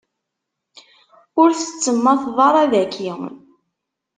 Ur tettemmateḍ ara daki.